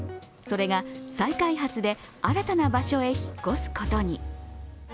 それが再開発で新たな場所へ引っ越すことに。